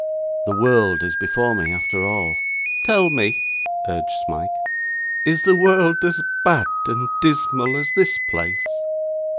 'The world is before me, after all.' 'Tell me,' urged Smike, 'is the world as bad and dismal as this place?